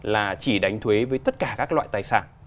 là chỉ đánh thuế với tất cả các loại tài sản